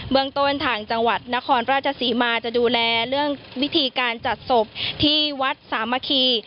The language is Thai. เมืองต้นทางจังหวัดนครราชศรีมาจะดูแลเรื่องวิธีการจัดศพที่วัดสามัคคี